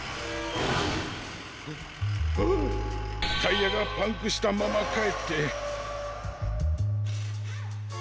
タイヤがパンクしたままかえって。